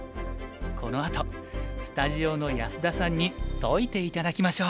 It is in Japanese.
このあとスタジオの安田さんに解いて頂きましょう。